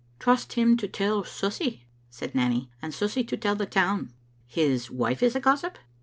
"Trust him to tell Susy/* said Nanny, "and Susy to tell the town." " His wife is a gossip?"